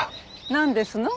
なんですの？